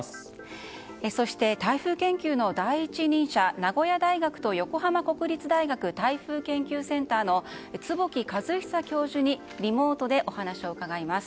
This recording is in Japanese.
そして、台風研究の第一人者名古屋大学と横浜国立大学台風研究センターの坪木和久教授にリモートでお話を伺います。